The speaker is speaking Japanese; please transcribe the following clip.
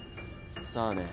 さあね。